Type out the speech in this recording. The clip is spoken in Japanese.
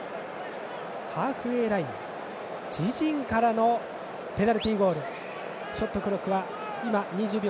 ハーフウェーライン自陣からのペナルティーゴール。